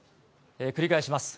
繰り返します。